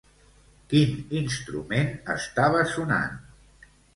Quin instrument estava sonant?